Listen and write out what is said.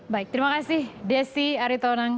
baik terima kasih desi aritonang